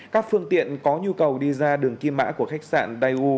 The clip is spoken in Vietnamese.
các phương tiện có nhu cầu đi ra đường kim mã của khách sạn đài u